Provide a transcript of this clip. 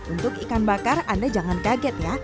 untuk ikan bakar anda jangan kaget ya